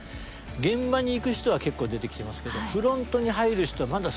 現場に行く人は結構出てきてますけどフロントに入る人はまだ少ないっすよね。